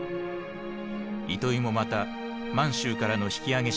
糸居もまた満州からの引き揚げ者だった。